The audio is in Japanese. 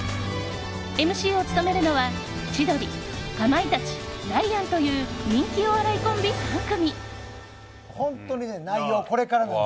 ＭＣを務めるのは、千鳥かまいたち、ダイアンという人気お笑いコンビ３組。